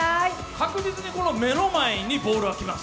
確実に目の前にボールが来ます。